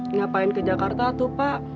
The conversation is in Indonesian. ngapain ke jakarta tuh pak